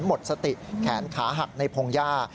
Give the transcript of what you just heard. หมดสติแขนขาหักในพงหญ้า